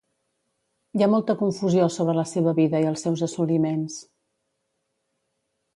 Hi ha molta confusió sobre la seva vida i els seus assoliments.